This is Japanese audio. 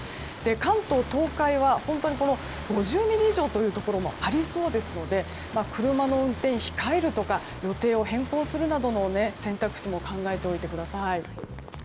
関東・東海は本当に５０ミリ以上というところもありそうですので車の運転控えるとか予定を変更するなどの選択肢も考えておいてください。